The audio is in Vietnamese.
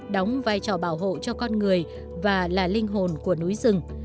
đóng vai trò bảo hộ cho con người và là linh hồn của núi rừng